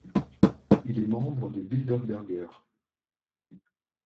Il est membre de Bilderberger.